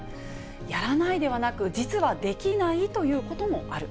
やらないではなく、実はできないということもある。